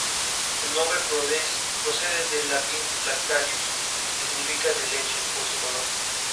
Su nombre procede del latín "lactarius", que significa "de leche", por su color.